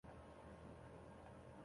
听说隔壁庄那个人赚了不少啊